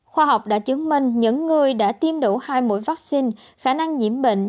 khoa học đã chứng minh những người đã tiêm đủ hai mũi vaccine khả năng nhiễm bệnh